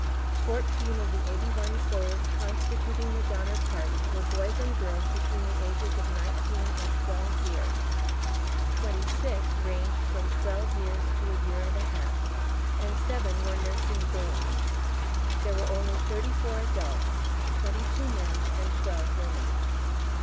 Fourteen of the eighty one souls constituting the Donner Party were boys and girls between the ages of nineteen and twelve years; twenty six ranged from twelve years to a year and a half; and seven were nursing babes. There were only thirty four adults, twenty two men and twelve women.